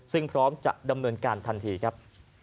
ซึ่งพร้อมจะดำเนินการทันทีครับ